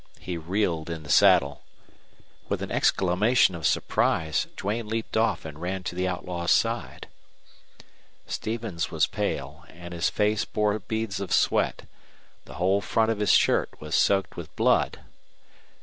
He reeled in the saddle. With an exclamation of surprise Duane leaped off and ran to the outlaw's side. Stevens was pale, and his face bore beads of sweat. The whole front of his shirt was soaked with blood.